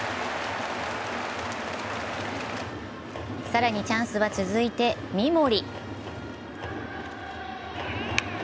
更にチャンスは続いて三森。